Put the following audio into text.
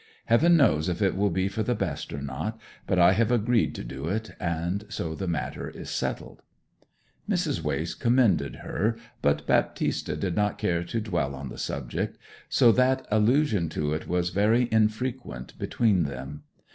'Heaven knows if it will be for the best or not. But I have agreed to do it, and so the matter is settled.' Mrs. Wace commended her; but Baptista did not care to dwell on the subject; so that allusion to it was very infrequent between them.